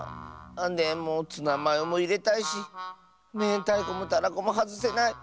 でもツナマヨもいれたいしめんたいこもたらこもはずせない。